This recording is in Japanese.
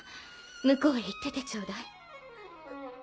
向こうへ行っててちょうだい。